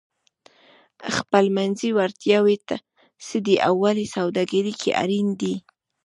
خپلمنځي وړتیاوې څه دي او ولې سوداګري کې اړینې دي؟